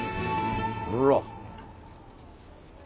ほら！